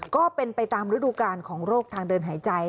ก็เป็นไปตามฤดูการของโรคทางเดินหายใจ